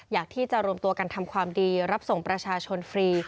อยากที่จะรวมตัวกันทำความดีรับส่งประชาชนฟรี